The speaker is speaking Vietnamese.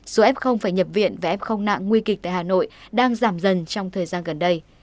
số f phải nhập viện và f nặng nguy kịch tại hà nội đang giảm dần trong thời gian gần đây